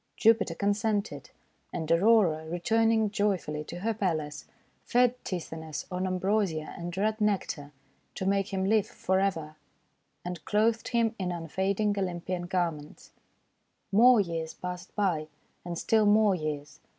Jupiter consented; and Aurora, returning joyfully to her palace, fed Tithonus on Ambrosia and red Nectar to make THE MORNING GLORY FAN 175 him live forever, and clothed him in unfading Olympian garments. More years passed by, and still more years.